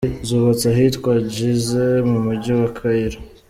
Zubatse ahitwa Gizeh mu mugi wa Kayiro.